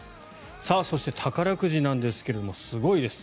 そして宝くじなんですがすごいです。